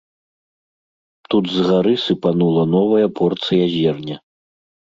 Тут згары сыпанула новая порцыя зерня.